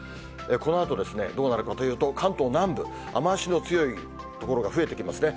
このあとどうなるかというと、関東南部、雨足の強い所が増えてきますね。